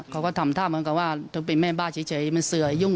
คือเป็นคนที่มีอารมณ์แหล่ง